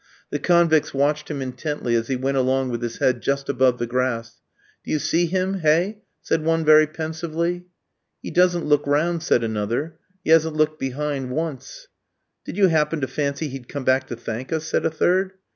The convicts watched him intently as he went along with his head just above the grass. "Do you see him, hey?" said one very pensively. "He doesn't look round," said another; "he hasn't looked behind once." "Did you happen to fancy he'd come back to thank us?" said a third.